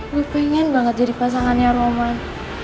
gue pengen banget jadi pasangannya roman